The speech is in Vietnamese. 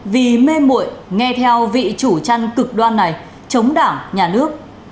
vì mê mội nghe theo vị chủ trăn cực đoan này chống đảng nhà nước